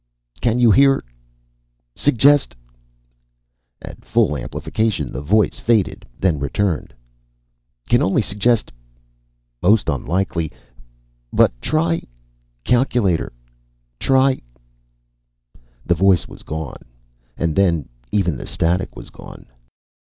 "Can you hear ... Suggest ..." At full amplification, the voice faded, then returned. "Can only suggest ... most unlikely ... but try ... calculator ... try ..." The voice was gone. And then even the static was gone.